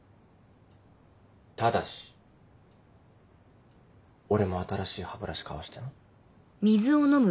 ただし俺も新しい歯ブラシ買わせてな。